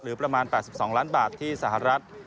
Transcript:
ประมาณ๘๒ล้านบาทที่สหรัฐ